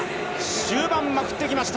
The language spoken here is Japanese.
終盤まくってきました。